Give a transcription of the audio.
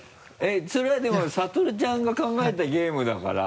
それはでも悟ちゃんが考えたゲームだから。